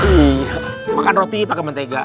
hmm makan roti pakai mentega